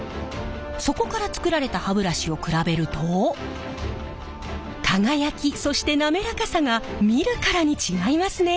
そこから作られた歯ブラシを比べると輝きそして滑らかさが見るからに違いますね。